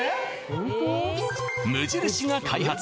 無印が開発